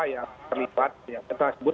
yang terlibat yang tersebut